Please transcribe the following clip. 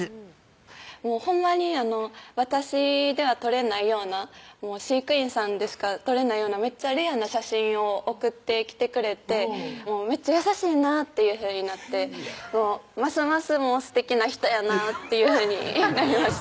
ほんまに私では撮れないような飼育員さんでしか撮れないようなめっちゃレアな写真を送ってきてくれてめっちゃ優しいなっていうふうになってますますすてきな人やなっていうふうになりました